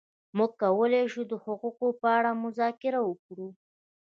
موږ کولای شو د حقوقو په اړه مذاکره وکړو.